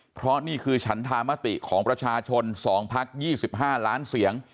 เพราะนี่คือฉันธามติของประชาชน๒พัก๒๕ล้านเสียง